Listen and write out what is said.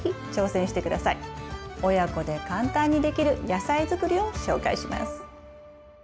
親子で簡単にできる野菜づくりを紹介します。